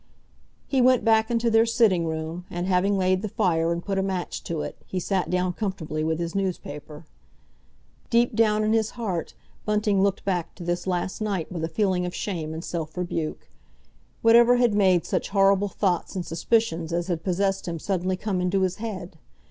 He went back into their sitting room, and, having laid the fire and put a match to it, he sat down comfortably with his newspaper. Deep down in his heart Bunting looked back to this last night with a feeling of shame and self rebuke. Whatever had made such horrible thoughts and suspicions as had possessed him suddenly come into his head?